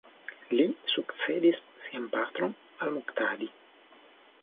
Li sukcedis sian patron al-Muktadi.